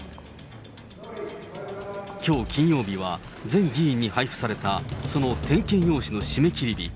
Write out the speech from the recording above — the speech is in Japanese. きょう金曜日は、全議員に配布された、その点検用紙の締め切り日。